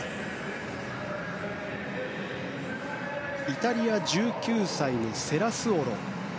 イタリア１９歳のセラスオロ。